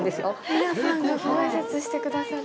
皆さんがご挨拶してくださる。